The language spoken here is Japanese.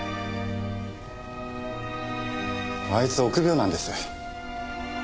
あいつ臆病なんです。